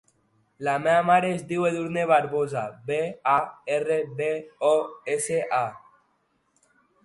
La meva mare es diu Edurne Barbosa: be, a, erra, be, o, essa, a.